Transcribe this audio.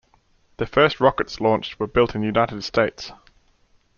The first rockets launched were built in United States.